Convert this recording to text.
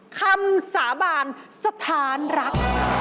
คำสาบานสถานรัก